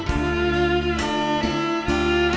เพลง